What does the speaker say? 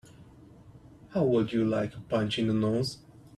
How would you like a punch in the nose?